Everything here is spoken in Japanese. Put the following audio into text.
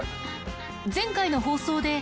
前回の放送で。